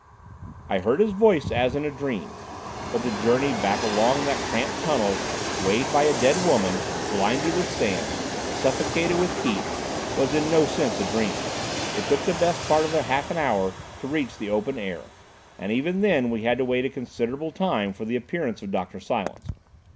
I heard his voice as in a dream; but the journey back along that cramped tunnel, weighted by a dead woman, blinded with sand, suffocated with heat, was in no sense a dream. It took us the best part of half an hour to reach the open air. And, even then, we had to wait a considerable time for the appearance of Dr. Silence.